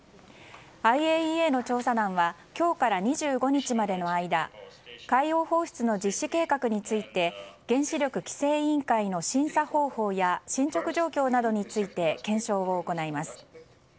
ＩＡＥＡの調査団は今日から２５日までの間海洋放出の実施計画について原子力規制委員会の審査方法や進捗状況などについて検証を行います。